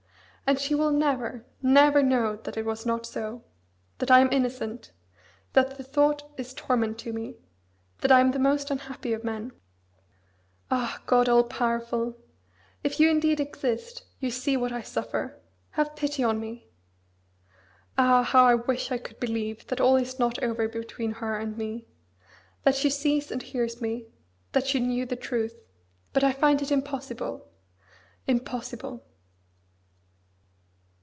And she will never, never know that it was not so; that I am innocent; that the thought is torment to me: that I am the most unhappy of men. Ah! God, all powerful! if you indeed exist, you see what I suffer. Have pity on me! Ah! how I wish I could believe that all is not over between her and me; that she sees and hears me; that she knew the truth. But I find it impossible! impossible!